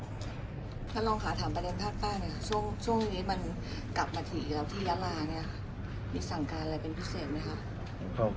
มีสั่งการอะไรเป็นพิเศษไหมครับ